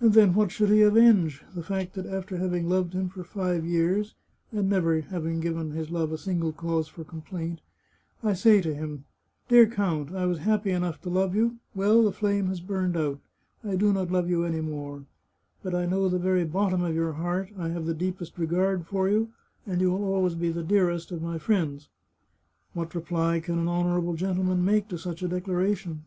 And then, what should he avenge? The fact that after having loved him for five years, and never given his love a single cause for complaint, I say to him :' Dear count, I was happy enough to love you. Well, the flame has burned out ; I do 296 The Chartreuse of Parma not love you any more. But I know the very bottom of your heart ; I have the deepest regard for you, and you will always be the dearest of all my friends.' " What reply can an honourable gentleman make to such a declaration?